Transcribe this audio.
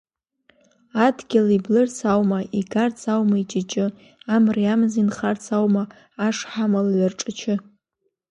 Адгьыл иблырц аума, игарц аума иҷыҷы, Амреи амзеи нхарц аума ашҳам лҩа рҿачы?